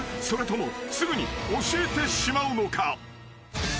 それともすぐに教えてしまうのか？］